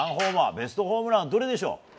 ベストホームランはどれでしょう？